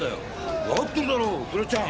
わかってるだろ倉ちゃん。